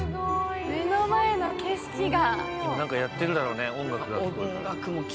目の前の景色が。